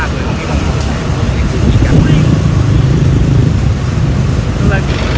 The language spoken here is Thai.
เชิดที่นั่นอีกแล้วนะครับ